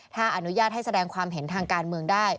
ถ้าอนุญาตให้แสดงความเห็นทางการเมืองได้